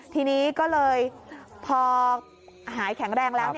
ทีนี้ก็เลยพอหายแข็งแรงแล้ว